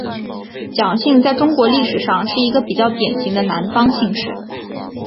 蒋姓在中国历史上是一个比较典型的南方姓氏。